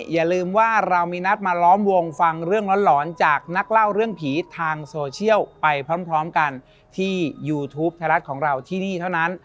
อย่าลืมว่าเรามีนัดมาล้อมวงฟังเรื่องหลอนจากนักเล่าเรื่องผีทางโซเชียลไปพร้อมกันที่ยูทูปไทยรัฐของเราที่นี่เท่านั้น